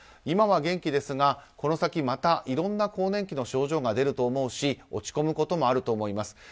今は元気ですがこの先、またいろんな更年期の症状が出ると思うし落ち込むこともあると思います。